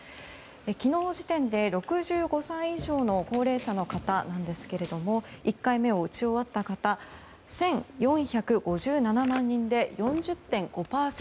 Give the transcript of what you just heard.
昨日時点で６５歳以上の高齢者の方１回目を打ち終わった方１４５７万人で４０．５％。